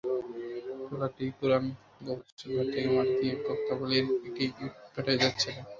ট্রলারটি পুরান গোপচর ঘাট থেকে মাটি নিয়ে বক্তাবলীর একটি ইটভাটায় যাচ্ছিল।